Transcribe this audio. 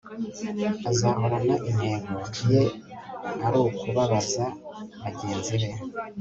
azahorana intego. ye arukubabaza bagenzi be